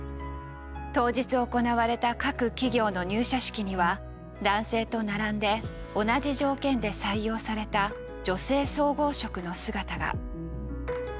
当日行われた各企業の入社式には男性と並んで同じ条件で採用された女性総合職の姿が。